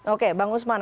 oke bang usman